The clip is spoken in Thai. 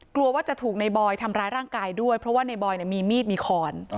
กลัวว่าจะถูกในบอยทำร้ายร่างกายด้วยเพราะว่าในบอยมีมีดมีคอน